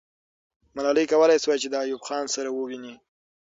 ملالۍ کولای سوای چې د ایوب خان سره وویني.